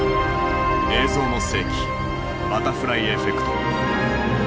「映像の世紀バタフライエフェクト」。